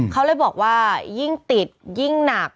เขาเลยบอกว่ายิ่งติดยิ่งหนัก